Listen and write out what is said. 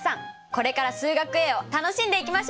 これから「数学Ａ」を楽しんでいきましょう！